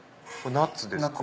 ナッツですね。